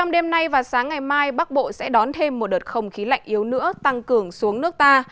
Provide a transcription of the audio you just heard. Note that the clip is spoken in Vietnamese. đêm nay và sáng ngày mai bắc bộ sẽ đón thêm một đợt không khí lạnh yếu nữa tăng cường xuống nước ta